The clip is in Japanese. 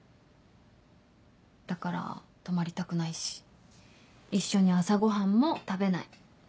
だから泊まりたくないし一緒に朝ごはんも食べない。